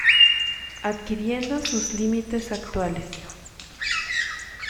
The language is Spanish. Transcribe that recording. Adquiriendo sus límites actuales.